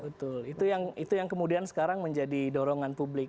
betul itu yang kemudian sekarang menjadi dorongan publik